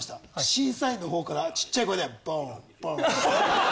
審査員の方から小っちゃい声で「ボーンボーンボーン」。